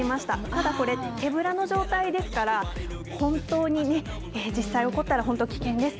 ただこれ、手ぶらの状態ですから、本当にね、実際起こったら、本当、危険です。